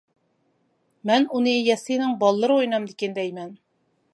مەن ئۇنى يەسلىنىڭ باللىرى ئوينامدىكىن دەيمەن.